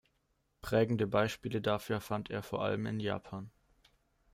Prägende Beispiele dafür fand er vor allem in Japan.